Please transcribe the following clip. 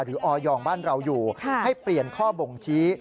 ออยบ้านเราอยู่ให้เปลี่ยนข้อบ่งชี้